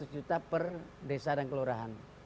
empat ratus juta per desa dan kelurahan